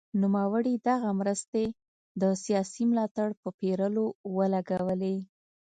نوموړي دغه مرستې د سیاسي ملاتړ په پېرلو ولګولې.